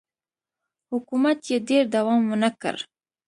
حکومت یې ډېر دوام ونه کړ